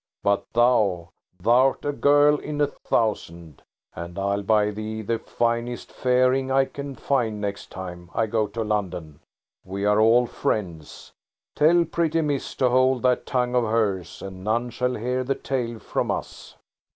But thou–thou'rt a girl in a thousand. And I'll buy thee the finest fairing I can find next time I go to London. We are all friends. Tell pretty miss to hold that tongue of hers, and none shall hear the tale from us."